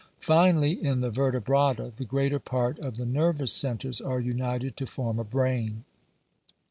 Finally, in the Vertebrata, the greater part of the ner vous centres are united to form a brain.